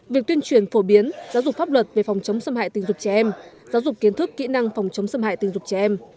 việc tuyên truyền phổ biến giáo dục pháp luật về phòng chống xâm hại tình dục trẻ em giáo dục kiến thức kỹ năng phòng chống xâm hại tình dục trẻ em